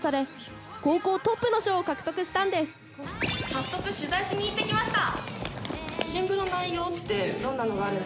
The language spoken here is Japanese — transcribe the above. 早速取材しに行ってきました。